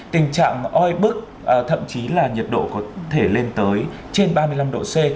tình trạng oi bức thậm chí là nhiệt độ có thể lên tới trên ba mươi năm độ c